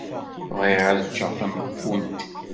Bɣiɣ ad ččeɣ tameqfunt.